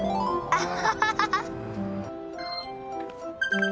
あっ！